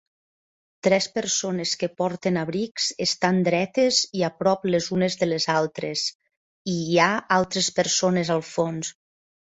tres persones que porten abrics estan dretes i a prop les unes de les altres, i hi ha altres persones al fons